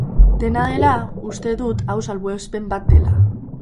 Dena dela, uste dut hau salbuespen bat dela.